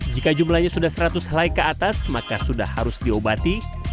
jika jumlahnya sudah seratus helai ke atas maka sudah harus diobati